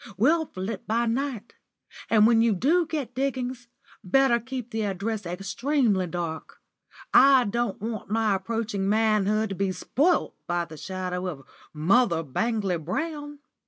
We'll flit by night. And when you do get diggings, better keep the address extremely dark. I don't want my approaching manhood to be spoilt by the shadow of Mother Bangley Brown."